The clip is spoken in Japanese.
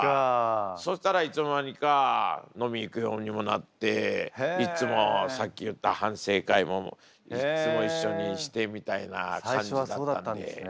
そしたらいつの間にか飲み行くようにもなっていつもさっき言った反省会もいつも一緒にしてみたいな感じだったんで。